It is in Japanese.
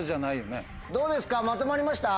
どうですかまとまりました？